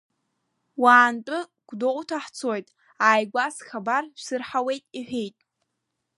Уаантәы Гәдоуҭа ҳцоит, ааигәа схабар шәсырҳауеит иҳәеит.